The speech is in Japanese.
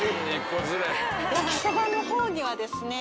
焼きそばのほうにはですね